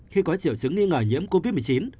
khi có triệu chứng nghi ngờ nhiễm covid một mươi chín